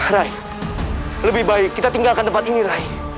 rai lebih baik kita tinggalkan tempat ini rai